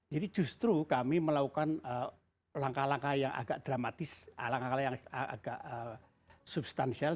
jadi justru kami melakukan langkah langkah yang agak dramatis langkah langkah yang agak substansial